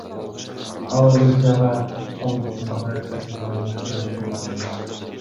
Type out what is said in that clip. Ал Орусияга оң бутундагы протезди алмаштыруу үчүн барган.